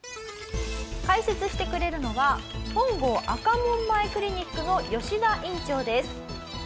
解説してくれるのは本郷赤門前クリニックの吉田院長です。